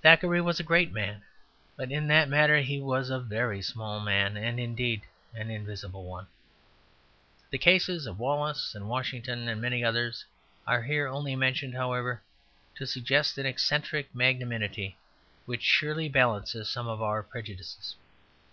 Thackeray was a great man; but in that matter he was a very small man, and indeed an invisible one. The cases of Wallace and Washington and many others are here only mentioned, however, to suggest an eccentric magnanimity which surely balances some of our prejudices.